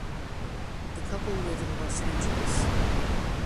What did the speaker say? The couple live in Los Angeles.